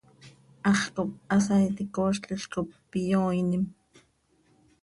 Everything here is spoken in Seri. Hax cop hasaaiti coozlil cop iyooinim.